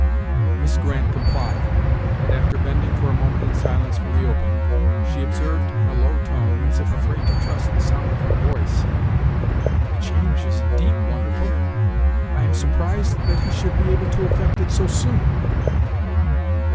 Miss Grant complied; and, after bending for a moment in silence from the opening, she observed, in a low tone, as if afraid to trust the sound of her voice: "The change is indeed wonderful! I am surprised that he should be able to effect it so soon."